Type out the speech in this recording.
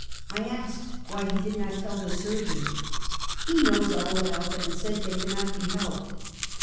I asked why he did not tell the surgeon. " He knows all about them, and says they cannot be helped."